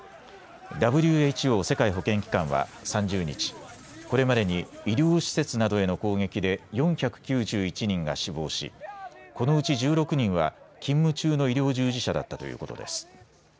ＷＨＯ・世界保健機関は３０日、これまでに医療施設などへの攻撃で４９１人が死亡しこのうち１６人は勤務中の医療従事者だったということです。